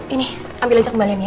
ini ambil aja kembalian ya